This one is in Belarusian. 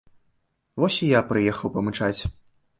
Вось і я прыехаў памычаць.